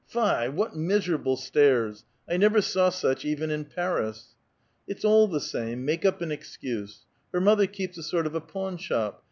Fy^ what miserable staira ! I never saw such even in Paris !"" It's all the same ; make up an excuse. Her mother keeps a sort of a pawn shop.